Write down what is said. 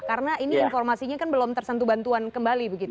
karena ini informasinya kan belum tersentuh bantuan kembali begitu